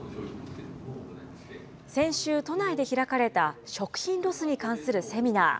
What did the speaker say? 先週、都内で開かれた食品ロスに関するセミナー。